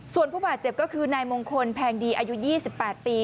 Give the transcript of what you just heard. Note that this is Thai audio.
ส่วนผู้บาดเจ็บก็คือนายมงคลแพงดีอายุ๒๘ปี